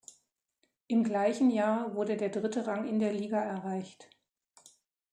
Im gleichen Jahr wurde der dritte Rang in der Liga erreicht.